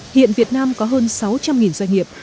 hiện việt nam có hơn sáu trăm linh doanh nghiệp